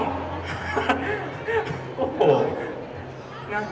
โอ้โห